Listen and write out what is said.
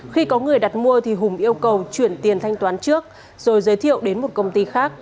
khi có người đặt mua thì hùng yêu cầu chuyển tiền thanh toán trước rồi giới thiệu đến một công ty khác